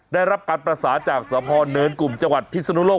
ได้รับการประสานจากสพเนินกลุ่มจังหวัดพิศนุโลก